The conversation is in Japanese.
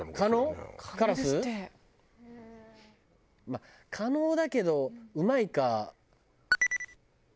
まあ可能だけどうまいか。